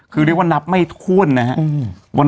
คือเรียกว่านับไม่ทวนนะฮะ